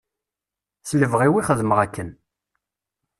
S lebɣi-w i xedmeɣ akken.